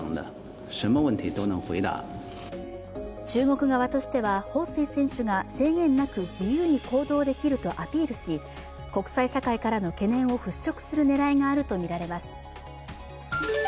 中国側としては、彭帥選手が制限なく自由に行動できるとアピールし、国際社会からの懸念を払拭する狙いがあるとみられます。